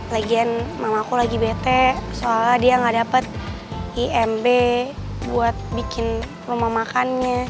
lagian mamah aku lagi bete soalnya dia gak dapet imb buat bikin rumah makannya